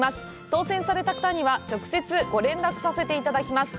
当せんされた方には直接ご連絡させていただきます。